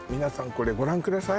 これご覧ください